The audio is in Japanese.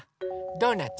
ドーナツ？